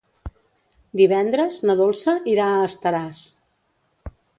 Divendres na Dolça irà a Estaràs.